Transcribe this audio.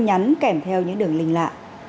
cảnh giác với những tin nhắn kèm theo những đường linh lạ